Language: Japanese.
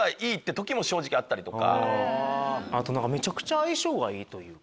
あとめちゃくちゃ相性がいい。